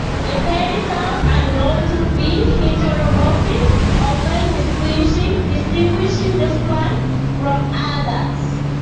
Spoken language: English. The pedicels are known to be heteromorphic often distinguishing this plant from others.